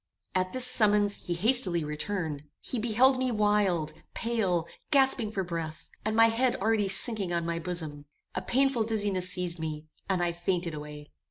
At this summons he hastily returned. He beheld me wild, pale, gasping for breath, and my head already sinking on my bosom. A painful dizziness seized me, and I fainted away.